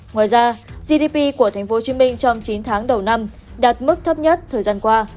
ngoài ra gdp của tp hcm trong chín tháng đầu năm đạt mức thấp nhất thời gian qua